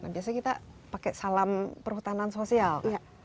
biasanya kita pakai salam perhutanan sosial